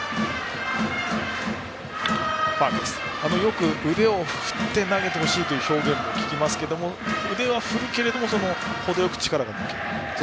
よく腕を振って投げてほしいという表現を聞きますが腕を振るけれども程よく力が抜けると。